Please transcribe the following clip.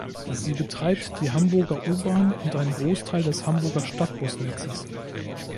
Sie betreibt die Hamburger U-Bahn und einen Großteil des Hamburger Stadtbus-Netzes.